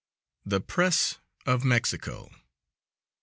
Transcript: THE PRESS OF MEXICO.